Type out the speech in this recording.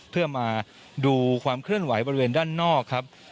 เพื่อมาดูความเคลื่อนไหวบริเวณด้านนอกครับ